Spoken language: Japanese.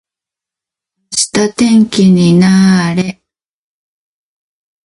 明日天気にな～れ。